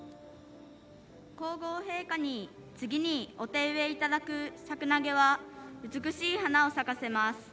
皇后陛下に、次にお手植えいただくシャクナゲは美しい花を咲かせます。